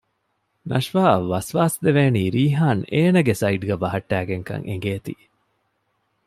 ނަޝްވާ އަށް ވަސްވާސް ދެވޭނީ ރީހާން އޭނާގެ ސައިޑްގައި ބަހައްޓައިގެން ކަން އެނގޭތީ